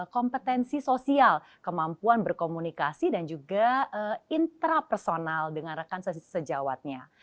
kompetensi sosial kemampuan berkomunikasi dan juga intrapersonal dengan rekan sejawatnya